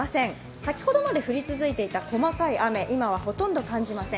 先ほどまで降り続いていた細かい雨、今はほとんど感じません。